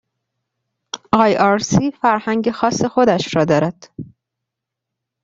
آیآرسی فرهنگ خاص خودش را دارد.